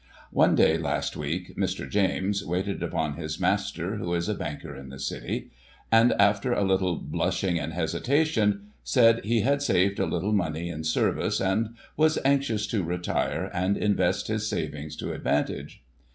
One day, last week, Mr. James waited upon his master, who is a banker in the City ; and, after a little blushing and Digiti ized by Google 264 GOSSIP. [1845 hesitation, said he had saved a little money in service, and was anxious to retire, and invest his savings to advantage.